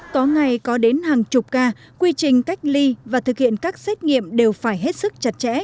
có ngày có đến hàng chục ca quy trình cách ly và thực hiện các xét nghiệm đều phải hết sức chặt chẽ